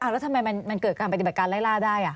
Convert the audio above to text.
แล้วทำไมมันเกิดการปฏิบัติการไล่ล่าได้